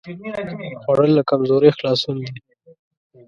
خوړل له کمزورۍ خلاصون دی